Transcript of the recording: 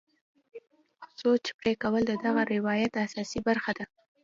سوچ پرې کول د دغه روایت اساسي برخه ده.